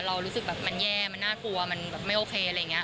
รู้สึกแบบมันแย่มันน่ากลัวมันแบบไม่โอเคอะไรอย่างนี้